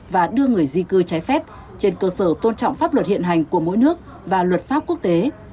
và đưa người di cư trái phép trên cơ sở tôn trọng pháp luật hiện hành của mỗi nước và luật pháp quốc tế